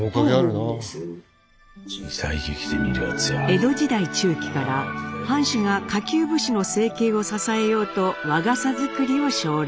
江戸時代中期から藩主が下級武士の生計を支えようと和傘作りを奨励。